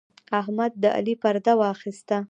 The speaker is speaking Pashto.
احمد د علي پرده واخيسته.